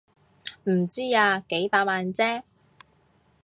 唔知啊，幾百萬啫